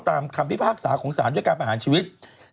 คำพิพากษาของศาลด้วยการประหารชีวิต